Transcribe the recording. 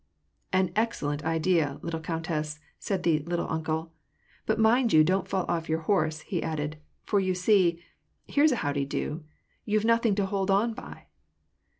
'< An excellent idea, little countess," * said the ^^ little uncle." "But mind you don't fall off your horse," he added. "For you see, — here's a how de do! — you see you've nothing to hold on by